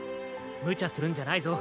むちゃするんじゃないぞ。